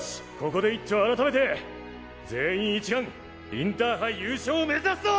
ここでいっちょ改めて全員一丸インターハイ優勝を目指すぞ！